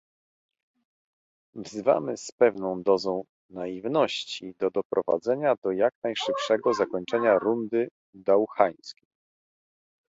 Wzywamy z pewną dozą naiwności do doprowadzenia do jak najszybszego zakończenia rundy dauhańskiej